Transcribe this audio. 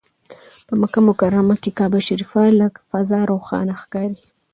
په مکه مکرمه کې کعبه شریفه له فضا روښانه ښکاري.